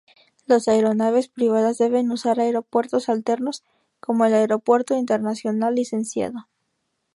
Las aeronaves privadas deben usar aeropuertos alternos como el Aeropuerto Internacional Lic.